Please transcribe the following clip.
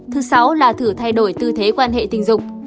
thứ sáu là thử thay đổi tư thế quan hệ tình dục